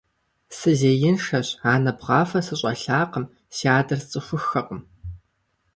Сызеиншэщ, анэ бгъафэ сыщӀэлъакъым, си адэр сцӀыхуххэкъым.